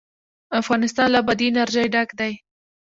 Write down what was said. افغانستان له بادي انرژي ډک دی.